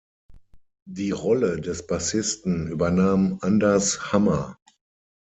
Die Rolle des Bassisten übernahm Anders Hammer.